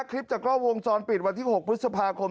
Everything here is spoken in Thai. คลิปจากกล้องวงจรปิดวันที่๖พฤษภาคม